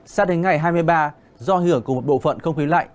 sao đến ngày hai mươi ba do hưởng của một bộ phận không khí lạnh